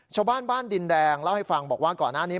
ชาวบ้านบ้านดินแดงเล่าให้ฟังบอกว่าก่อนหน้านี้